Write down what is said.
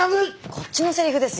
こっちのセリフですよ。